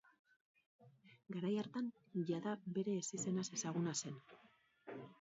Garai hartan jada bere ezizenaz ezaguna zen.